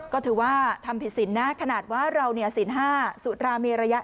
ก็ถือว่าทำผิดศิลป์นะขนาดว่าเราศิลป์๕สุดรามีระยะ